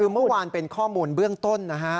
คือเมื่อวานเป็นข้อมูลเบื้องต้นนะฮะ